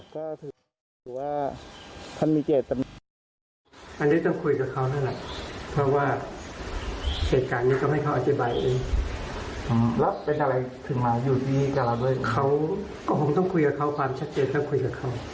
เขาก็คงต้องคุยกับเขาความชัดเจนต้องคุยกับเขา